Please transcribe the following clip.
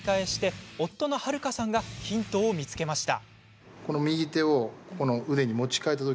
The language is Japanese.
夫の悠さんがヒントを見つけました。